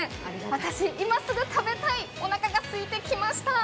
私、今すぐ食べたいおなかがすいてきました。